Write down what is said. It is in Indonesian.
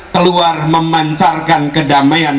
keluar memancarkan kedamaian